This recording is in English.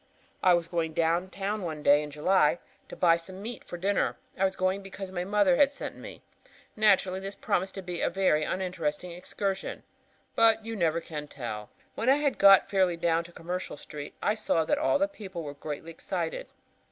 "I was going down town one day in July to buy some meat for dinner. I was going because my mother had sent me. Naturally this promised to be a very uninteresting excursion. But you never can tell. "When I had got fairly down to Commercial Street, I saw that all the people were greatly excited.